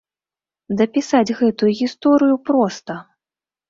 Дапісаць гэтую гісторыю проста.